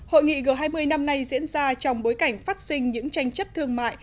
hội nghị g hai mươi năm nay diễn ra trong bối cảnh phát sinh những tranh chấp thương mại